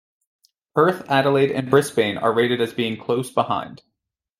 Perth, Adelaide and Brisbane are rated as being close behind.